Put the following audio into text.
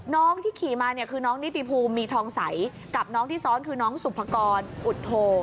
น้องที่ขี่มาเนี่ยคือน้องนิติภูมิมีทองใสกับน้องที่ซ้อนคือน้องสุภกรอุทโท